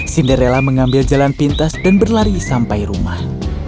cinderella mengambil jalan pintas dan berlari sampai rumah